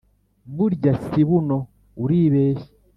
Burya si buno uribeshya